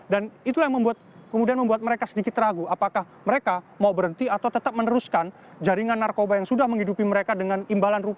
dan itulah yang kemudian membuat mereka sedikit ragu apakah mereka mau berhenti atau tetap meneruskan jaringan narkoba yang sudah menghidupi mereka dengan imbalan rukun